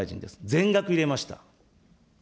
全額入れました。